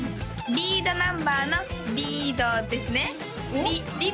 リードナンバーのリードですねおっリ